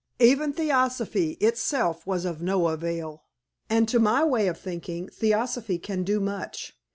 Even theosophy itself was of no avail and, to my way of thinking, theosophy can do much.